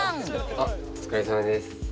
あっお疲れさまです。